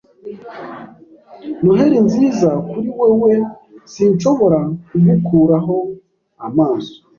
Noheri nziza kuri weweSinshobora kugukuraho amaso